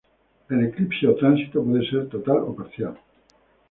El eclipse o tránsito puede ser total o parcial.